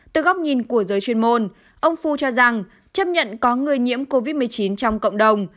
từ góc nhìn của giới chuyên môn ông fu cho rằng chấp nhận có người nhiễm covid một mươi chín trong cộng đồng